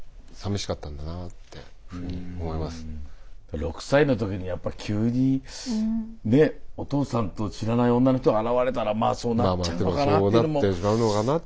６歳の時にやっぱり急にねお父さんと知らない女の人が現れたらまあそうなっちゃうのかなって。